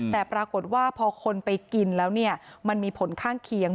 แต่ปรากฏว่าพอคนไปกินแล้วมันมีผลข้างเคียง